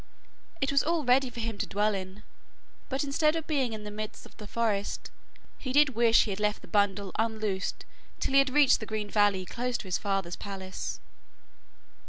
It was all ready for him to dwell in, but instead of being in the midst of the forest, he did wish he had left the bundle unloosed till he had reached the green valley close to his father's palace.